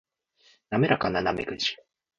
滑らかなナメクジ